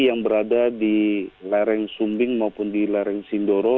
yang berada di lereng sumbing maupun di lereng sindoro